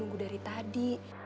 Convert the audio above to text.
nunggu dari tadi